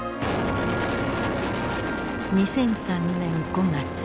２００３年５月。